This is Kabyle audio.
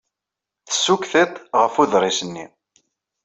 Tessukk tiṭ ɣef uḍris-nni.